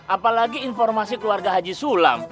apalagi informasi keluarga haji sulam